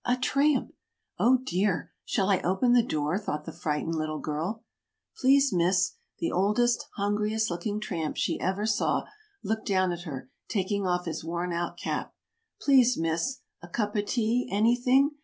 A tramp! "Oh, dear, shall I open the door?" thought the frightened little girl. "Please, Miss," the oldest, hungriest looking tramp she ever saw looked down at her, taking off his worn out cap. "Please, Miss a cup o' tea anything?